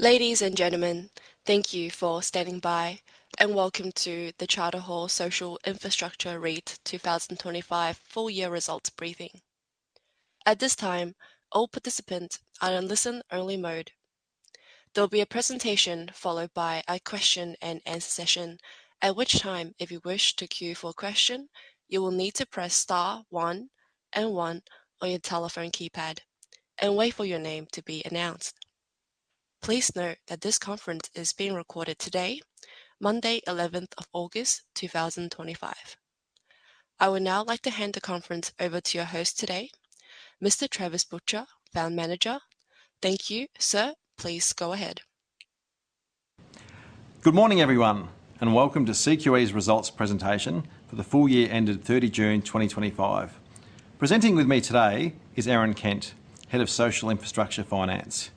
Ladies and gentlemen, thank you for standing by and welcome to the Charter Hall Social Infrastructure REIT 2025 Full-Year Results Briefing. At this time, all participants are in listen-only mode. There will be a presentation followed by a question and answer session. At that time, if you wish to queue for a question, you will need to press star one and one on your telephone keypad and wait for your name to be announced. Please note that this conference is being recorded today, Monday, 11th of August, 2025. I would now like to hand the conference over to our host today, Mr. Travis Butcher, Fund Manager. Thank you, sir. Please go ahead. Good morning, everyone, and welcome to CQE's results presentation for the full year ended 30 June 2025. Presenting with me today is Erin Kent, Head of Social Infrastructure Finance.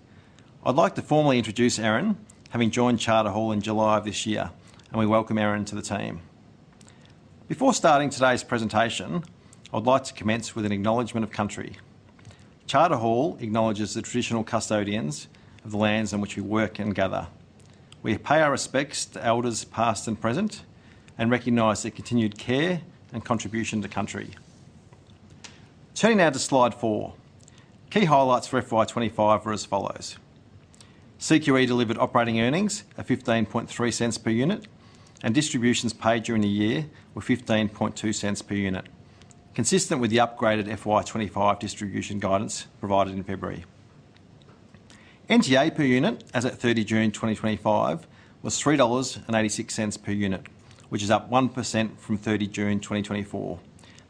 I'd like to formally introduce Erin, having joined Charter Hall in July of this year, and we welcome Erin to the team. Before starting today's presentation, I would like to commence with an acknowledgement of country. Charter Hall acknowledges the traditional custodians of the lands on which we work and gather. We pay our respects to elders past and present and recognize their continued care and contribution to country. Turning now to slide four, key highlights for FY 2025 were as follows. CQE delivered operating earnings at 15.3 per unit, and distributions paid during the year were 15.2 per unit, consistent with the upgraded FY 2025 distribution guidance provided in February. NTA per unit as at 30 June 2025 was 3.86 dollars per unit, which is up 1% from 30 June 2024,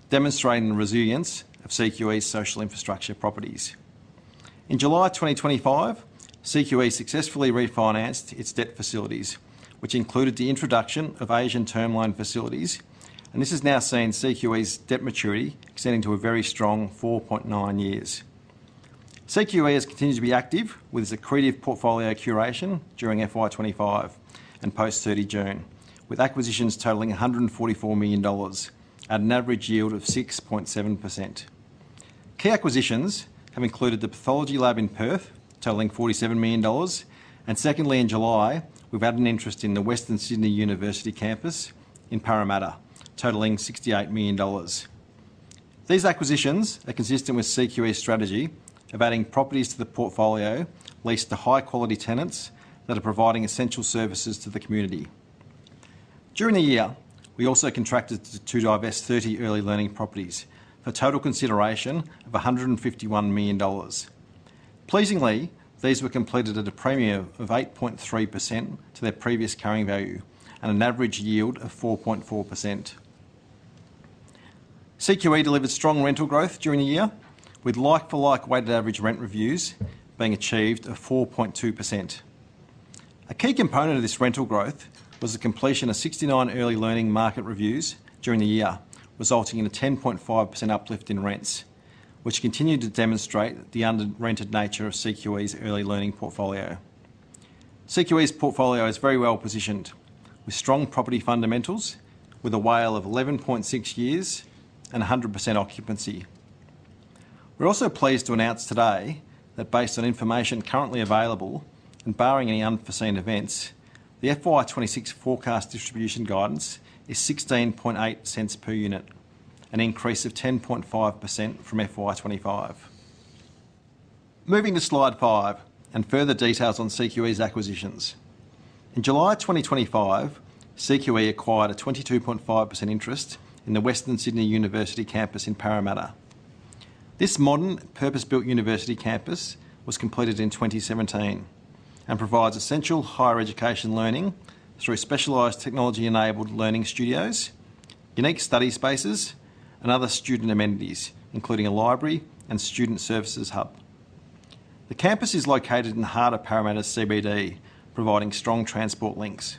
demonstrating the resilience of CQE's social infrastructure properties. In July 2025, CQE successfully refinanced its debt facilities, which included the introduction of Asian term loan facilities, and this has now seen CQE's debt maturity extending to a very strong 4.9 years. CQE has continued to be active with its accretive portfolio curation during FY 2025 and post 30 June, with acquisitions totaling 144 million dollars at an average yield of 6.7%. Key acquisitions have included the pathology laboratory in Perth, totaling 47 million dollars, and secondly in July, we've added an interest in the Western Sydney University campus in Parramatta, totaling 68 million dollars. These acquisitions are consistent with CQE's strategy of adding properties to the portfolio leased to high-quality tenants that are providing essential services to the community. During the year, we also contracted to divest 30 early learning properties for a total consideration of 151 million dollars. Pleasingly, these were completed at a premium of 8.3% to their previous carrying value and an average yield of 4.4%. CQE delivered strong rental growth during the year, with like-for-like weighted average rent reviews being achieved at 4.2%. A key component of this rental growth was the completion of 69 early learning market rent reviews during the year, resulting in a 10.5% uplift in rents, which continued to demonstrate the under-rented nature of CQE's early learning portfolio. CQE's portfolio is very well positioned, with strong property fundamentals, with a WALE of 11.6 years and 100% occupancy. We're also pleased to announce today that, based on information currently available and barring any unforeseen events, the FY 2026 forecast distribution guidance is 16.8 per unit, an increase of 10.5% from FY 2025. Moving to slide five and further details on CQE's acquisitions. In July 2025, CQE acquired a 22.5% interest in the Western Sydney University campus in Parramatta. This modern, purpose-built university campus was completed in 2017 and provides essential higher education learning through specialized technology-enabled learning studios, unique study spaces, and other student amenities, including a library and student services hub. The campus is located in the heart of Parramatta CBD, providing strong transport links.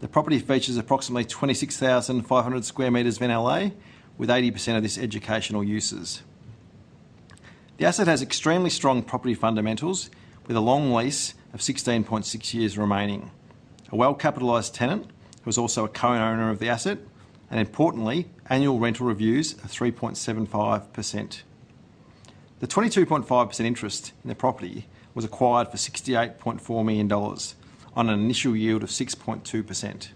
The property features approximately 26,500 sq m of NLA, with 80% of this educational uses. The asset has extremely strong property fundamentals, with a long lease of 16.6 years remaining. A well-capitalized tenant was also a co-owner of the asset, and importantly, annual rental reviews are 3.75%. The 22.5% interest in the property was acquired for 68.4 million dollars on an initial yield of 6.2%.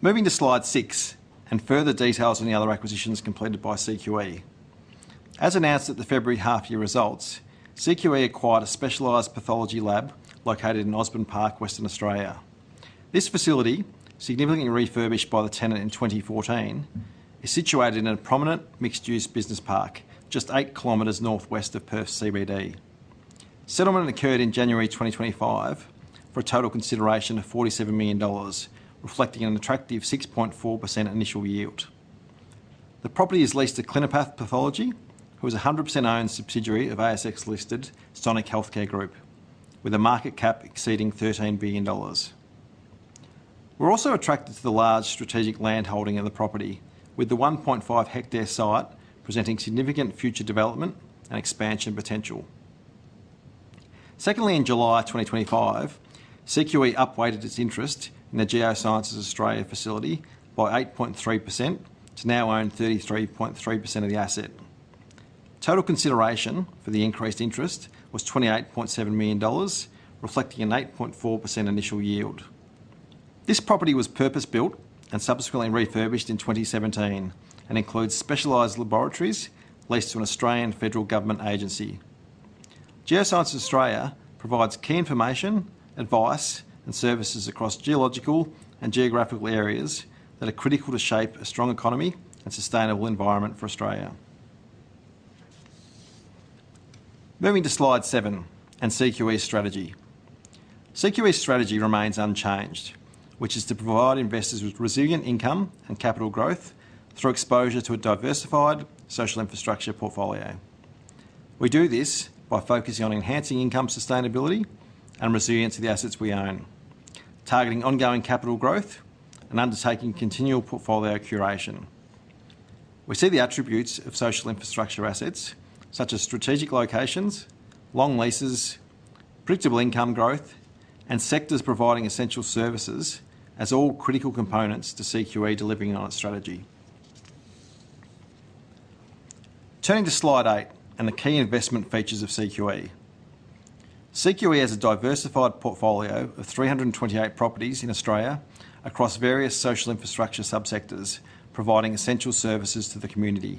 Moving to slide six and further details on the other acquisitions completed by CQE. As announced at the February half-year results, CQE acquired a specialized pathology laboratory located in Osborne Park, Western Australia. This facility, significantly refurbished by the tenant in 2014, is situated in a prominent mixed-use business park, just eight kilometers northwest of Perth CBD. Settlement occurred in January 2025 for a total consideration of 47 million dollars, reflecting an attractive 6.4% initial yield. The property is leased to Clinipath Pathology, who is a 100% owned subsidiary of ASX-listed Sonic Healthcare Group, with a market cap exceeding 13 billion dollars. We're also attracted to the large strategic land holding in the property, with the 1.5 ha site presenting significant future development and expansion potential. Secondly, in July 2025, CQE upweighted its interest in the Geoscience Australia facility by 8.3% to now own 33.3% of the asset. Total consideration for the increased interest was 28.7 million dollars, reflecting an 8.4% initial yield. This property was purpose-built and subsequently refurbished in 2017 and includes specialized laboratories leased to an Australian federal government agency. Geoscience Australia provides key information, advice, and services across geological and geographical areas that are critical to shape a strong economy and sustainable environment for Australia. Moving to slide seven and CQE's strategy. CQE's strategy remains unchanged, which is to provide investors with resilient income and capital growth through exposure to a diversified social infrastructure portfolio. We do this by focusing on enhancing income sustainability and resilience of the assets we own, targeting ongoing capital growth, and undertaking continual portfolio curation. We see the attributes of social infrastructure assets, such as strategic locations, long leases, predictable income growth, and sectors providing essential services as all critical components to CQE delivering on its strategy. Turning to slide eight and the key investment features of CQE. CQE has a diversified portfolio of 328 properties in Australia across various social infrastructure subsectors, providing essential services to the community.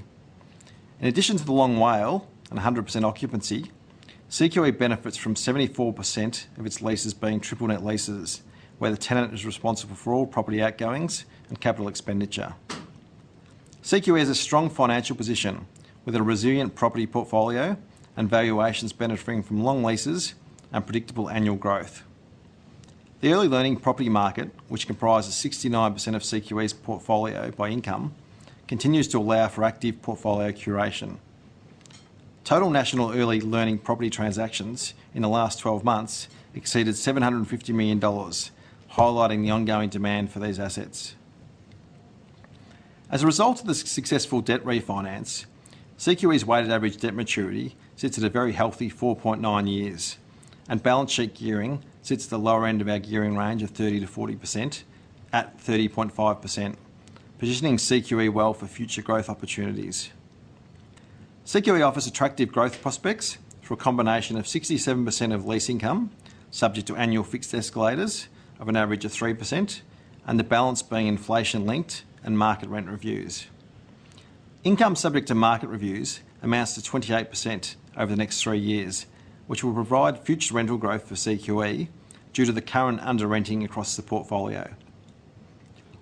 In addition to the long-WALE and 100% occupancy, CQE benefits from 74% of its leases being triple net leases, where the tenant is responsible for all property outgoings and capital expenditure. CQE has a strong financial position with a resilient property portfolio and valuations benefiting from long leases and predictable annual growth. The early learning property market, which comprises 69% of CQE's portfolio by income, continues to allow for active portfolio curation. Total national early learning property transactions in the last 12 months exceeded 750 million dollars, highlighting the ongoing demand for these assets. As a result of the successful debt refinance, CQE's weighted average debt maturity sits at a very healthy 4.9 years, and balance sheet gearing sits at the lower end of our gearing range of 30%-40% at 30.5%, positioning CQE well for future growth opportunities. CQE offers attractive growth prospects through a combination of 67% of lease income subject to annual fixed escalators of an average of 3% and the balance being inflation linked and market rent reviews. Income subject to market reviews amounts to 28% over the next three years, which will provide future rental growth for CQE due to the current under-renting across the portfolio.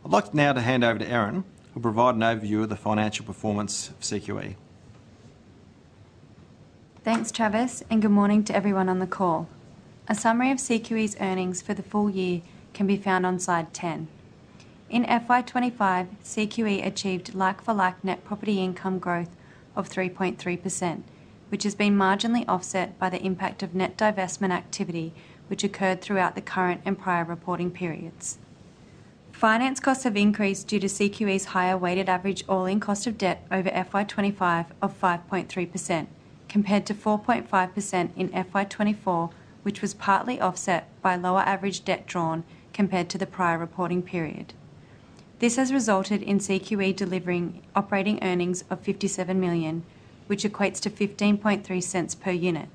I'd like now to hand over to Erin, who will provide an overview of the financial performance of CQE. Thanks, Travis, and good morning to everyone on the call. A summary of CQE's earnings for the full year can be found on slide 10. In FY 2025, CQE achieved like-for-like net property income growth of 3.3%, which has been marginally offset by the impact of net divestment activity, which occurred throughout the current and prior reporting periods. Finance costs have increased due to CQE's higher weighted average all-in cost of debt over FY 2025 of 5.3%, compared to 4.5% in FY 2024, which was partly offset by lower average debt drawn compared to the prior reporting period. This has resulted in CQE delivering operating earnings of 57 million, which equates to 15.3 per unit.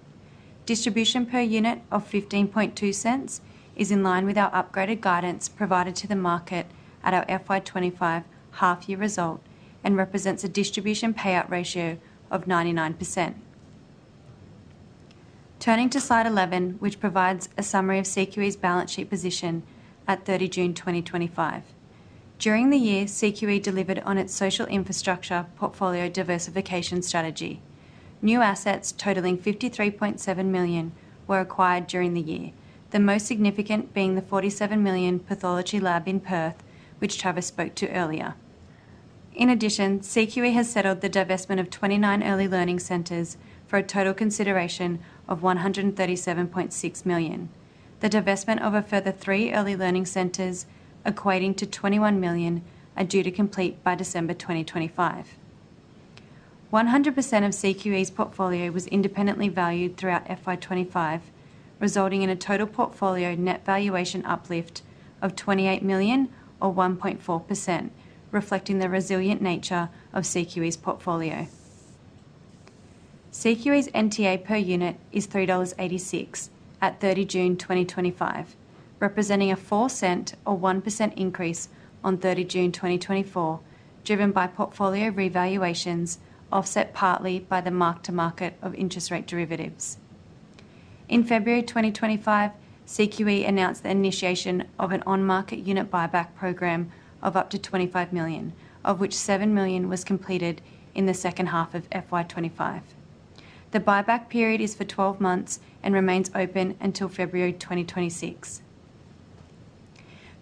Distribution per unit of 15.2 is in line with our upgraded guidance provided to the market at our FY 2025 half-year result and represents a distribution payout ratio of 99%. Turning to slide 11, which provides a summary of CQE's balance sheet position at 30 June 2025. During the year, CQE delivered on its social infrastructure portfolio diversification strategy. New assets totaling 53.7 million were acquired during the year, the most significant being the 47 million pathology lab in Perth, which Travis spoke to earlier. In addition, CQE has settled the divestment of 29 early learning centers for a total consideration of 137.6 million. The divestment of a further three early learning centers, equating to 21 million, are due to complete by December 2025. 100% of CQE's portfolio was independently valued throughout FY 2025, resulting in a total portfolio net valuation uplift of 28 million or 1.4%, reflecting the resilient nature of CQE's portfolio. CQE's NTA per unit is 3.86 dollars at 30 June 2025, representing a 0.04 or 1% increase on 30 June 2024, driven by portfolio revaluations offset partly by the mark-to-market of interest rate derivatives. In February 2025, CQE announced the initiation of an on-market unit buyback program of up to 25 million, of which 7 million was completed in the second half of FY 2025. The buyback period is for 12 months and remains open until February 2026.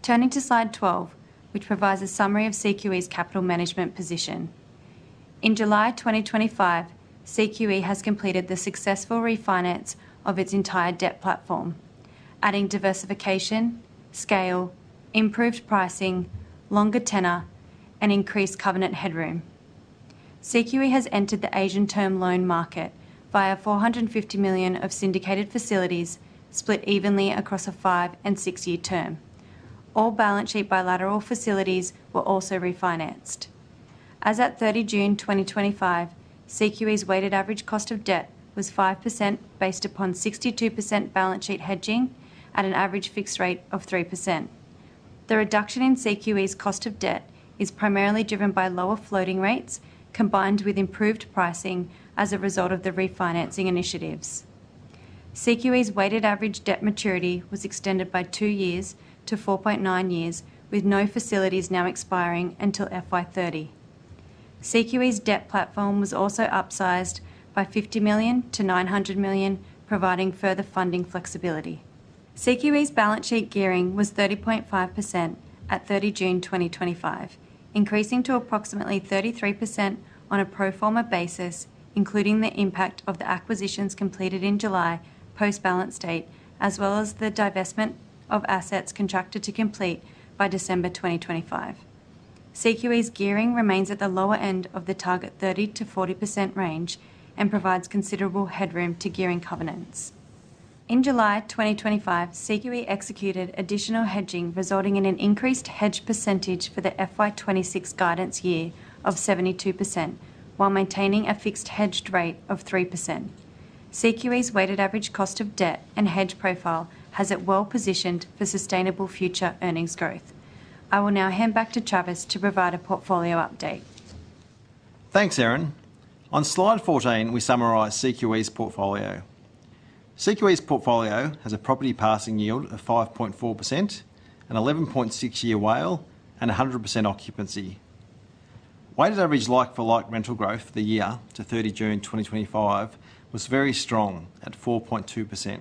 Turning to slide 12, which provides a summary of CQE's capital management position. In July 2025, CQE has completed the successful refinance of its entire debt platform, adding diversification, scale, improved pricing, longer tenor, and increased covenant headroom. CQE has entered the Asian term loan market via 450 million of syndicated facilities split evenly across a five and six-year term. All balance sheet bilateral facilities were also refinanced. As at 30 June 2025, CQE's weighted average cost of debt was 5% based upon 62% balance sheet hedging at an average fixed rate of 3%. The reduction in CQE's cost of debt is primarily driven by lower floating rates combined with improved pricing as a result of the refinancing initiatives. CQE's weighted average debt maturity was extended by two years to 4.9 years, with no facilities now expiring until FY 2030. CQE's debt platform was also upsized by 50 million to 900 million, providing further funding flexibility. CQE's balance sheet gearing was 30.5% at 30 June 2025, increasing to approximately 33% on a pro forma basis, including the impact of the acquisitions completed in July post-balance date, as well as the divestment of assets contracted to complete by December 2025. CQE's gearing remains at the lower end of the target 30%-40% range and provides considerable headroom to gearing covenants. In July 2025, CQE executed additional hedging, resulting in an increased hedge percentage for the FY 2026 guidance year of 72%, while maintaining a fixed hedged rate of 3%. CQE's weighted average cost of debt and hedge profile has it well positioned for sustainable future earnings growth. I will now hand back to Travis to provide a portfolio update. Thanks, Erin. On slide 14, we summarize CQE's portfolio. CQE's portfolio has a property passing yield of 5.4%, an 11.6-year WALE, and 100% occupancy. Weighted average like-for-like rental growth for the year to 30 June 2025 was very strong at 4.2%,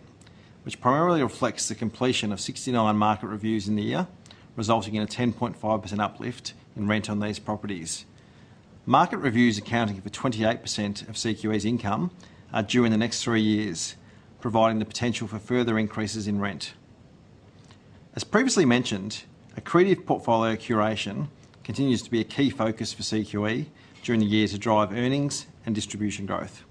which primarily reflects the completion of 69 market rent reviews in the year, resulting in a 10.5% uplift in rent on these properties. Market rent reviews accounting for 28% of CQE's income are due in the next three years, providing the potential for further increases in rent. As previously mentioned, accretive portfolio curation continues to be a key focus for CQE during the year to drive earnings and distribution growth.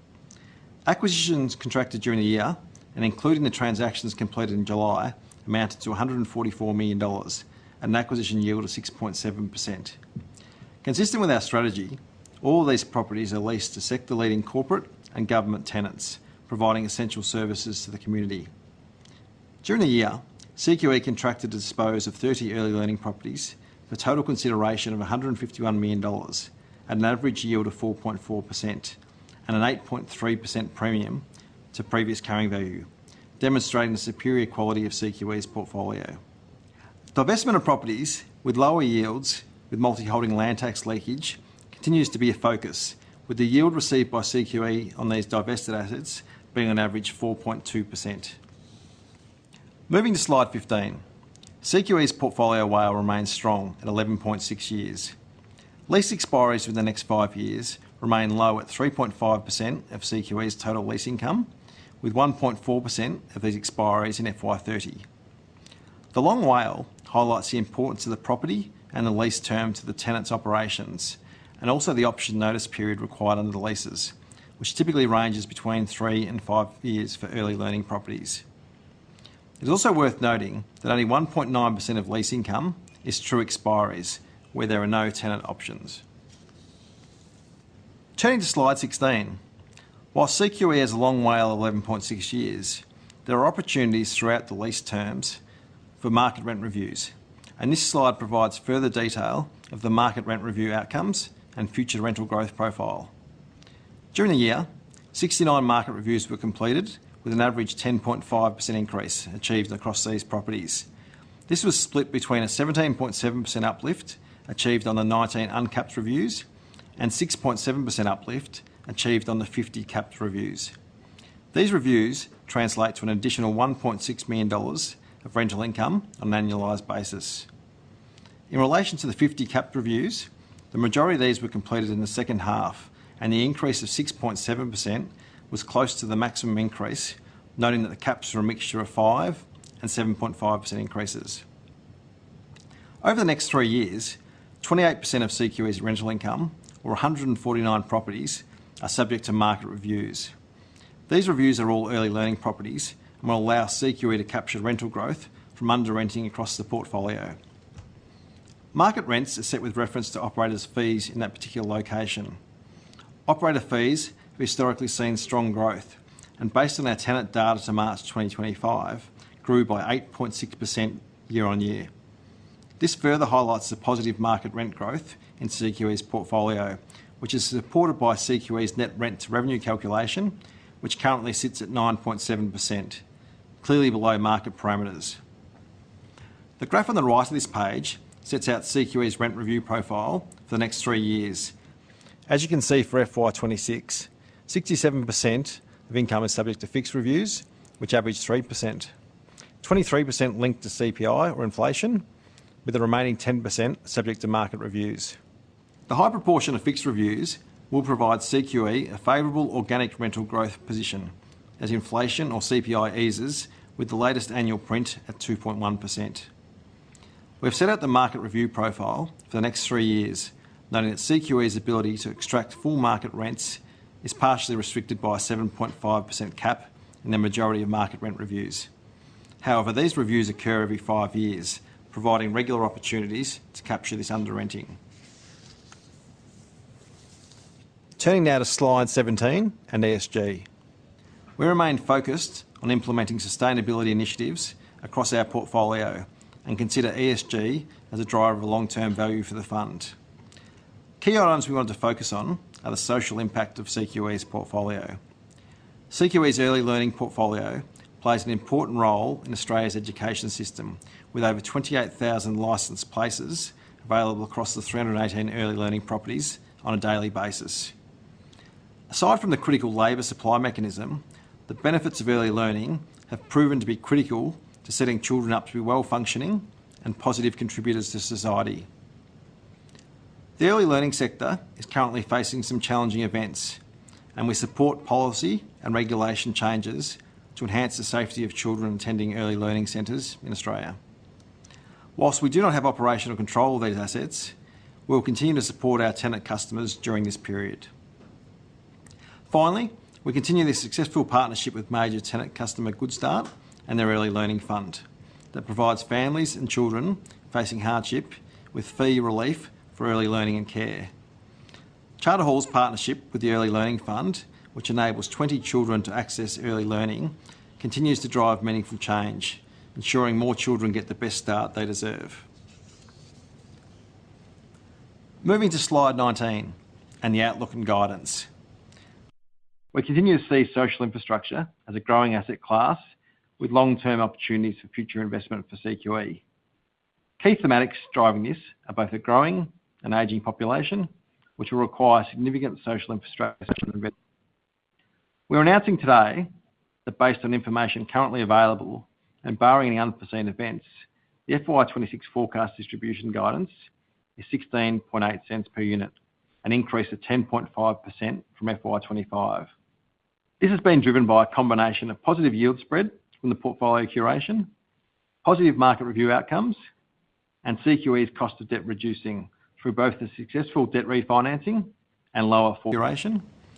Acquisitions contracted during the year and including the transactions completed in July amounted to 144 million dollars, an acquisition yield of 6.7%. Consistent with our strategy, all of these properties are leased to sector-leading corporate and government tenants, providing essential services to the community. During the year, CQE contracted to dispose of 30 early learning properties for a total consideration of 151 million dollars, at an average yield of 4.4% and an 8.3% premium to previous carrying value, demonstrating the superior quality of CQE's portfolio. Divestment of properties with lower yields, with multi-holding land tax leakage, continues to be a focus, with the yield received by CQE on these divested assets being an average 4.2%. Moving to slide 15, CQE's portfolio WALE remains strong at 11.6 years. Lease expirations in the next five years remain low at 3.5% of CQE's total lease income, with 1.4% of these expirations in FY 2030. The long-WALE highlights the importance of the property and the lease term to the tenant's operations, and also the option notice period required under the leases, which typically ranges between three and five years for early learning properties. It's also worth noting that only 1.9% of lease income is true expirations, where there are no tenant options. Turning to slide 16, while CQE has a long-WALE of 11.6 years, there are opportunities throughout the lease terms for market rent reviews, and this slide provides further detail of the market rent review outcomes and future rental growth profile. During the year, 69 market rent reviews were completed, with an average 10.5% increase achieved across these properties. This was split between a 17.7% uplift achieved on the 19 uncapped reviews and a 6.7% uplift achieved on the 50 capped reviews. These reviews translate to an additional 1.6 million dollars of rental income on an annualized basis. In relation to the 50 capped reviews, the majority of these were completed in the second half, and the increase of 6.7% was close to the maximum increase, noting that the caps were a mixture of 5% and 7.5% increases. Over the next three years, 28% of CQE's rental income, or 149 properties, are subject to market reviews. These reviews are all early learning properties and will allow CQE to capture rental growth from under-renting across the portfolio. Market rents are set with reference to operator's fees in that particular location. Operator fees have historically seen strong growth, and based on our tenant data to March 2025, it grew by 8.6% year-on-year. This further highlights the positive market rent growth in CQE's portfolio, which is supported by CQE's net rent to revenue calculation, which currently sits at 9.7%, clearly below market parameters. The graph on the right of this page sets out CQE's rent review profile for the next three years. As you can see for FY 2026, 67% of income is subject to fixed reviews, which average 3%. 23% linked to CPI or inflation, with the remaining 10% subject to market reviews. The high proportion of fixed reviews will provide CQE a favorable organic rental growth position as inflation or CPI eases with the latest annual print at 2.1%. We've set out the market review profile for the next three years, noting that CQE's ability to extract full market rents is partially restricted by a 7.5% cap in the majority of market rent reviews. However, these reviews occur every five years, providing regular opportunities to capture this under-renting. Turning now to slide 17 and ESG. We remain focused on implementing sustainability initiatives across our portfolio and consider ESG as a driver of long-term value for the fund. Key items we want to focus on are the social impact of CQE's portfolio. CQE's early learning portfolio plays an important role in Australia's education system, with over 28,000 licensed places available across the 318 early learning properties on a daily basis. Aside from the critical labor supply mechanism, the benefits of early learning have proven to be critical to setting children up to be well-functioning and positive contributors to society. The early learning sector is currently facing some challenging events, and we support policy and regulation changes to enhance the safety of children attending early learning centers in Australia. Whilst we do not have operational control of these assets, we will continue to support our tenant customers during this period. Finally, we continue this successful partnership with major tenant customer Goodstart and their Early Learning Fund that provides families and children facing hardship with fee relief for early learning and care. Charter Hall's partnership with the Early Learning Fund, which enables 20 children to access early learning, continues to drive meaningful change, ensuring more children get the best start they deserve. Moving to slide 19 and the outlook and guidance, we continue to see social infrastructure as a growing asset class with long-term opportunities for future investment for CQE. Key thematics driving this are both a growing and aging population, which will require significant social infrastructure for investment. We're announcing today that, based on information currently available and barring any unforeseen events, the FY 2026 forecast distribution guidance is 16.8 per unit, an increase of 10.5% from FY 2025. This has been driven by a combination of positive yield spread from the portfolio curation, positive market rent review outcomes, and CQE's cost of debt reducing through both the successful debt refinancing and lower forecast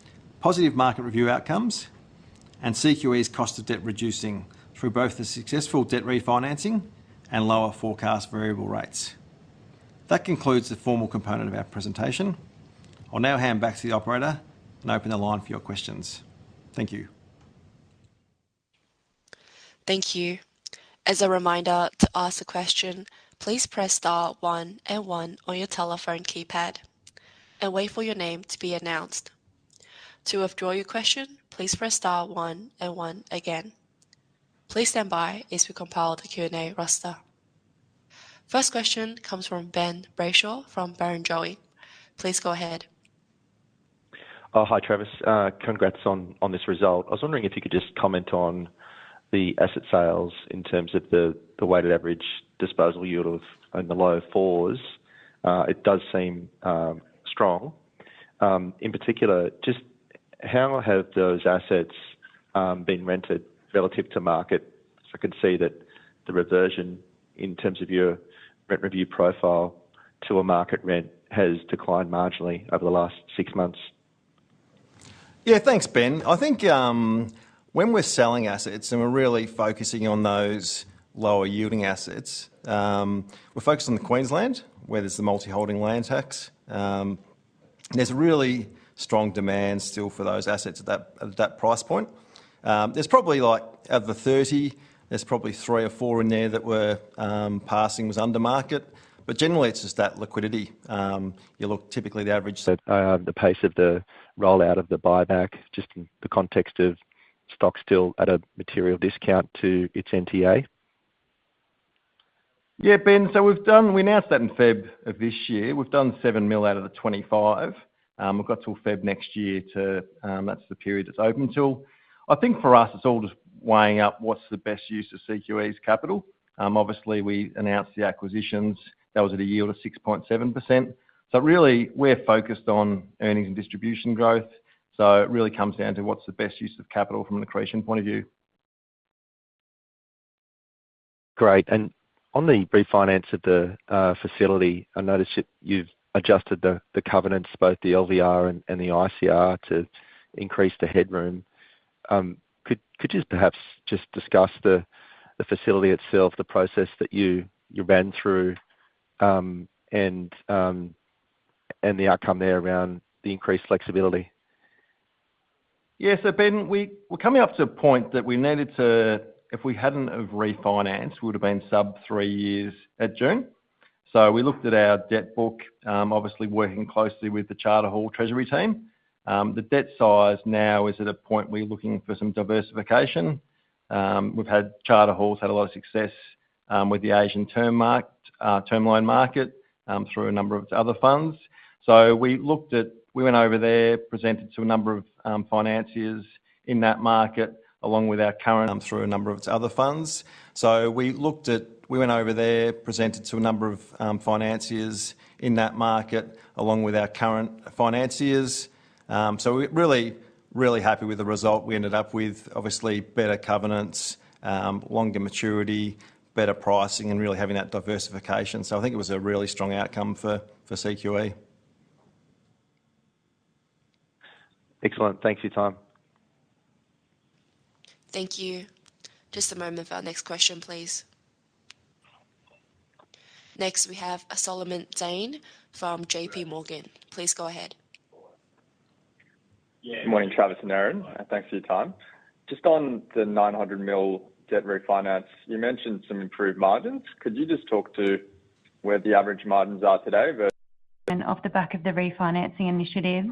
variable rates. That concludes the formal component of our presentation. I'll now hand back to the operator and open the line for your questions. Thank you. Thank you. As a reminder, to ask a question, please press star one and one on your telephone keypad and wait for your name to be announced. To withdraw your question, please press star one and one again. Please stand by as we compile the Q&A roster. First question comes from Ben Brayshaw from Barrenjoey. Please go ahead. Hi, Travis. Congrats on this result. I was wondering if you could just comment on the asset sales in terms of the weighted average disposal yield of the low fours. It does seem strong. In particular, just how have those assets been rented relative to market? I can see that the reversion in terms of your rent review profile to a market rent has declined marginally over the last six months. Yeah, thanks, Ben. I think when we're selling assets and we're really focusing on those lower yielding assets, we're focused on Queensland, where there's the multi-holding land tax. There's really strong demand still for those assets at that price point. There's probably, like, of the 30, there's probably three or four in there that we're passing under market. Generally, it's just that liquidity. You look, typically, the average. The pace of the rollout of the buyback, just in the context of stock still at a material discount to its NTA? Yeah, Ben, we've done, we announced that in February of this year. We've done 7 million out of the 25 million. We've got till February next year, that's the period that's open till. I think for us, it's all just weighing up what's the best use of CQE's capital. Obviously, we announced the acquisitions that was at a yield of 6.7%. We're focused on earnings and distribution growth. It really comes down to what's the best use of capital from an accretion point of view. Great. On the refinance of the facility, I noticed that you've adjusted the covenants, both the LVR and the ICR, to increase the headroom. Could you perhaps just discuss the facility itself, the process that you ran through, and the outcome there around the increased flexibility? Yeah, Ben, we're coming up to a point that we needed to, if we hadn't refinanced, we would have been sub three years at June. We looked at our debt book, obviously working closely with the Charter Hall Treasury team. The debt size now is at a point we're looking for some diversification. Charter Hall has had a lot of success with the Asian term market, term line market through a number of other funds. We went over there, presented to a number of financiers in that market along with our current financiers. We're really, really happy with the result we ended up with, obviously better covenants, longer maturity, better pricing, and really having that diversification. I think it was a really strong outcome for CQE. Excellent. Thanks for your time. Thank you. Just a moment for our next question, please. Next, we have Solomon Zhang from JPMorgan. Please go ahead. Morning, Travis and Erin, and thanks for your time. Just on the 900 million debt refinance, you mentioned some improved margins. Could you just talk to where the average margins are today? Off the back of the refinancing initiatives,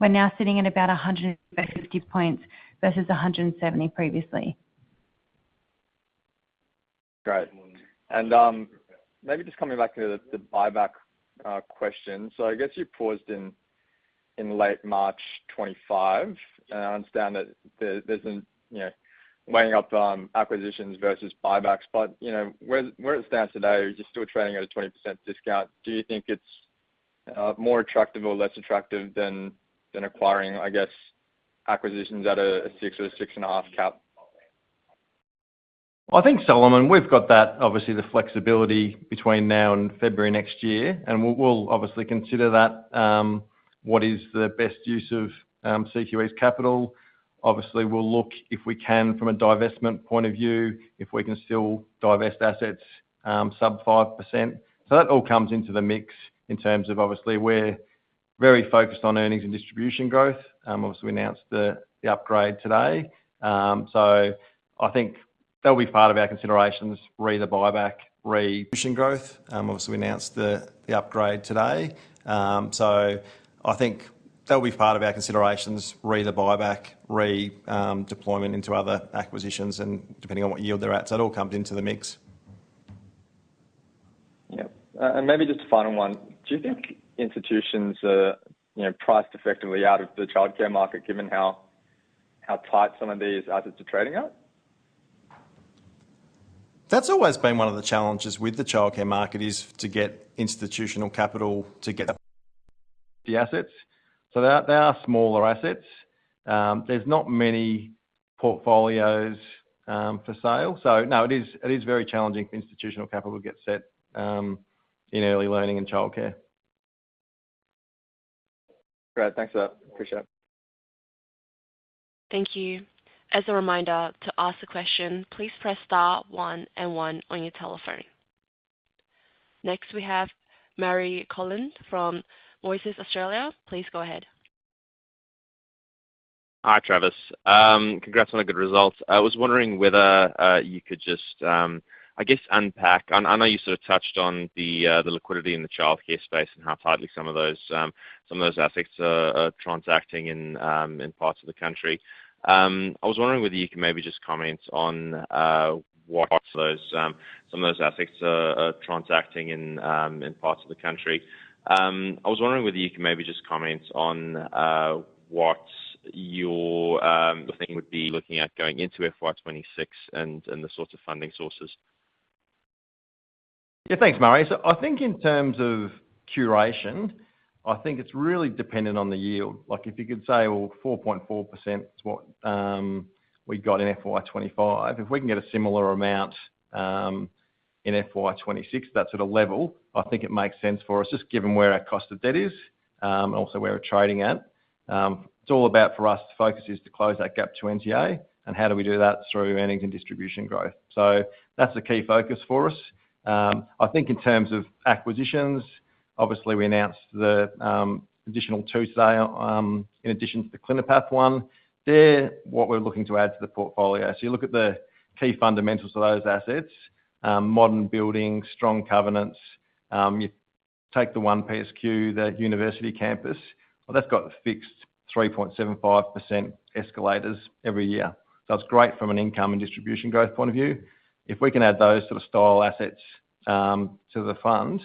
we're now sitting at about 150 basis points versus 170 basis points previously. Great. Maybe just coming back to the buyback question. I guess you paused in late March 2025. I understand that there's a weighing up acquisitions versus buybacks, but where it stands today, you're still trading at a 20% discount. Do you think it's more attractive or less attractive than acquiring, I guess, acquisitions at a 6% or 6.5% cap? I think, Solomon, we've got that, obviously, the flexibility between now and February next year, and we'll obviously consider that. What is the best use of CQE's capital? Obviously, we'll look, if we can, from a divestment point of view, if we can still divest assets sub 5%. That all comes into the mix in terms of, obviously, we're very focused on earnings and distribution growth. Obviously, we announced the upgrade today. I think that'll be part of our considerations, re the buyback, re-deployment into other acquisitions, and depending on what yield they're at. It all comes into the mix. Maybe just a final one. Do you think institutions are priced effectively out of the childcare market, given how tight some of these assets are trading out? That's always been one of the challenges with the childcare market, to get institutional capital to get the assets. They are smaller assets, and there's not many portfolios for sale. It is very challenging for institutional capital to get set in early learning and childcare. Great, thanks for that. Appreciate it. Thank you. As a reminder, to ask a question, please press star one and one on your telephone. Next, we have Murray Connellan from Moelis Australia. Please go ahead. Hi, Travis. Congrats on a good result. I was wondering whether you could just, I guess, unpack. I know you sort of touched on the liquidity in the childcare space and how tightly some of those assets are transacting in parts of the country. I was wondering whether you could maybe just comment on what your thing would be looking at going into FY 2026 and the sorts of funding sources. Yeah, thanks, Murray. In terms of curation, I think it's really dependent on the yield. Like if you could say, well, 4.4% is what we got in FY 2025. If we can get a similar amount in FY 2026, that's at a level, I think it makes sense for us, just given where our cost of debt is and also where we're trading at. It's all about for us to focus is to close that gap to NTA, and how do we do that through earnings and distribution growth? That's a key focus for us. In terms of acquisitions, obviously we announced the additional two today in addition to the Clinipath one. They're what we're looking to add to the portfolio. You look at the key fundamentals of those assets, modern building, strong covenants. You take the 1 PSQ, the university campus, that's got fixed 3.75% escalators every year. That's great from an income and distribution growth point of view. If we can add those sort of style assets to the funds,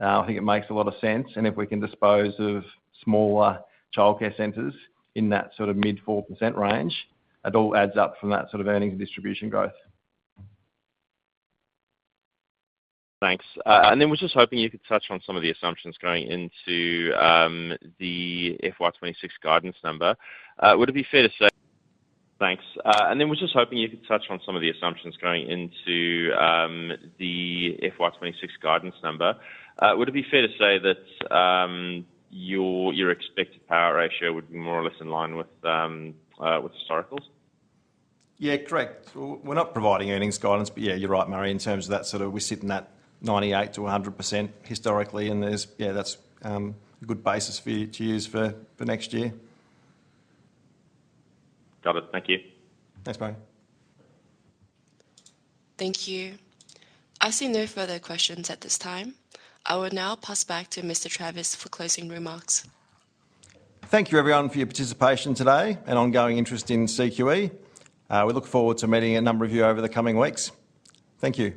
I think it makes a lot of sense. If we can dispose of smaller childcare centers in that sort of mid 4% range, it all adds up from that sort of earnings and distribution growth. Thanks. We're just hoping you could touch on some of the assumptions going into the FY 2026 guidance number. Would it be fair to say that your expected payout ratio would be more or less in line with historical? Yeah, correct. We're not providing earnings guidance, but yeah, you're right, Murray, in terms of that sort of, we're sitting at 98%-100% historically, and that's a good basis for you to use for next year. Got it. Thank you. Thanks, Murray. Thank you. I see no further questions at this time. I will now pass back to Mr. Travis for closing remarks. Thank you, everyone, for your participation today and ongoing interest in CQE. We look forward to meeting a number of you over the coming weeks. Thank you.